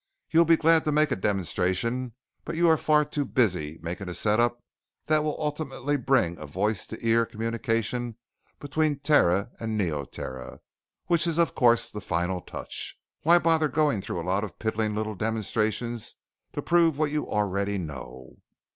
You'd be glad to make a demonstration, but you are far too busy making a set up that will ultimately bring a voice to ear communication between Terra and Neoterra, which is of course, the final touch. Why bother going through a lot of piddling little demonstrations to prove what you already know?"